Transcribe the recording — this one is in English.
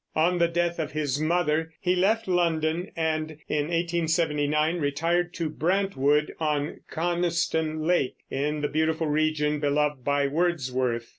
On the death of his mother he left London and, in 1879, retired to Brantwood, on Coniston Lake, in the beautiful region beloved of Wordsworth.